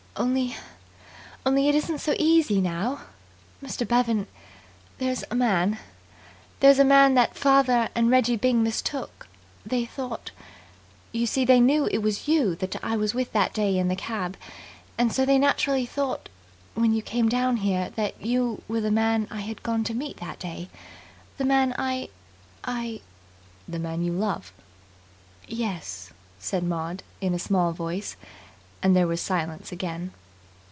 Only only it isn't so easy now. Mr. Bevan, there's a man there's a man that father and Reggie Byng mistook they thought ... You see, they knew it was you that I was with that day in the cab, and so they naturally thought, when you came down here, that you were the man I had gone to meet that day the man I I " "The man you love." "Yes," said Maud in a small voice; and there was silence again.